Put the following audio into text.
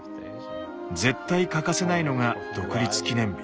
絶対欠かせないのが独立記念日。